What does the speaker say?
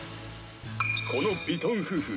このヴィトン夫婦